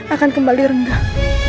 akan kembali rendah